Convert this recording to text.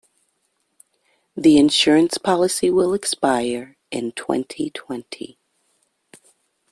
The insurance policy will expire in twenty-twenty.